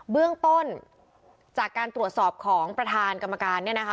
เบื้องต้นจากการตรวจสอบของประธานกรรมการเนี่ยนะคะ